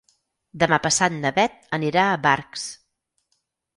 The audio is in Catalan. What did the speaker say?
Demà passat na Bet anirà a Barx.